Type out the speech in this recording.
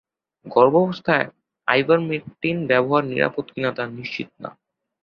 গর্ভাবস্থায় আইভারমেকটিন ব্যবহার নিরাপদ কি না তা নিশ্চিত না।